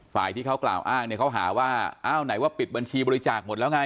ฝ่ายที่เขากล่าวอ้างเนี่ยเขาหาว่าอ้าวไหนว่าปิดบัญชีบริจาคหมดแล้วไง